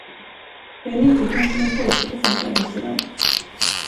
Jag är nyfiken som en pojke på sin födelsedag.